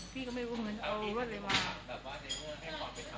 พี่ก็ไม่รู้เหมือนเอารสอะไรมา